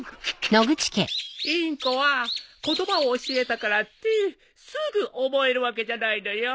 インコは言葉を教えたからってすぐ覚えるわけじゃないのよ。